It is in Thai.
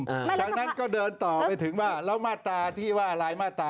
จากนั้นก็เดินต่อไปถึงว่าแล้วมาตราที่ว่าอะไรมาตรา